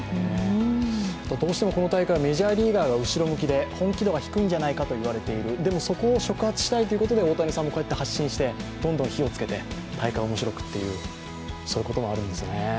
どうしてもこの大会、メジャーリーガーが後ろ向きで本気度が低いんじゃないかと言われている、そこで大谷さんも発信してどんどん火をつけて、大会をおもしろくという、そういうこともあるんですね。